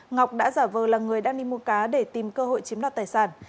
ngọc đã giả vờ là người đang đi mua cá để tìm cơ hội chiếm đoạt tài sản